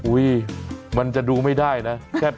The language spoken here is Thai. อุ๊ยมันจะดูไม่ได้นะ